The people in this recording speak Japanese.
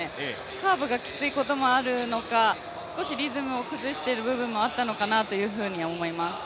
カーブがきついこともあるのか、少しリズムを崩している部分もあるのかなと思います。